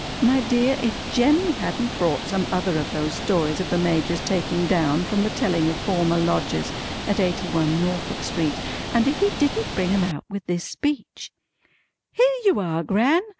My dear, if Jemmy hadn't brought some other of those stories of the Major's taking down from the telling of former lodgers at Eighty one Norfolk Street, and if he didn't bring 'em out with this speech: "Here you are Gran!